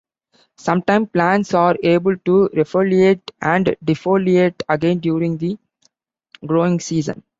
Sometimes plants are able to refoliate and defoliate again during the growing season.